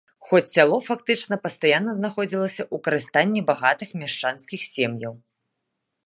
Хоць сяло фактычна пастаянна знаходзіліся ў карыстанні багатых мяшчанскіх сем'яў.